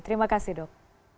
terima kasih dok